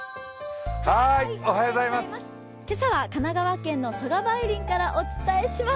今朝は神奈川県の曽我梅林からお伝えします。